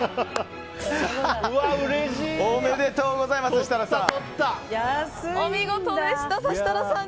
おめでとうございます設楽さん。